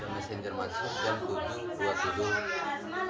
mesin jerman sudah jam tujuh dua puluh tujuh